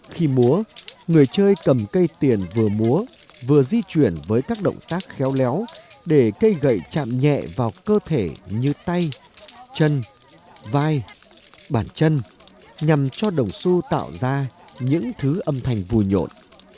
khi múa người chơi cầm cây tiền vừa múa vừa di chuyển với các động tác khéo léo để cây gậy chạm nhẹ vào cơ thể như tay chân vai bản chân nhằm cho đồng xu tạo ra những thứ âm thanh vui nhộn